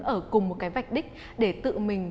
ở cùng một cái vạch đích để tự mình